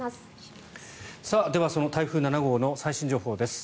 では、その台風７号の最新情報です。